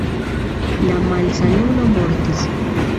La malsanulo mortis.